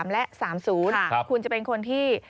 และ๓๐คุณจะเป็นคนที่